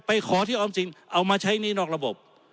ขอที่ออมสินเอามาใช้หนี้นอกระบบ